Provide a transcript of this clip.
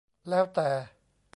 แล้วแต่